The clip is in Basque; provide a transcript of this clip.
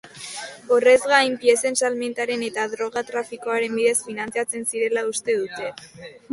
Horrez gain, piezen salmentaren eta droga-trafikoaren bidez finantzatzen zirela uste dute.